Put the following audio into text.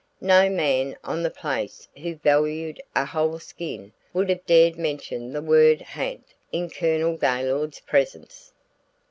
No man on the place who valued a whole skin would have dared mention the word "ha'nt" in Colonel Gaylord's presence.